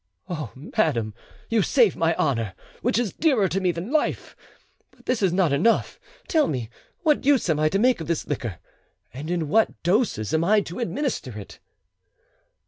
"Oh, madame, you save my honour, which is dearer to me than life! But this is not enough: tell me what use I am to make of this liquor, and in what doses I am to administer it."